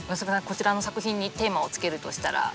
こちらの作品にテーマをつけるとしたら？